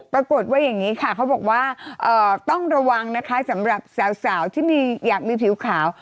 ปรากฏว่าอย่างนี้ค่ะเขาบอกว่าต้องระวังนะคะสำหรับสาวที่อยากมีผิวขาว